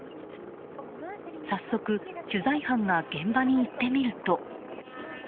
早速、取材班が現場に行ってみると。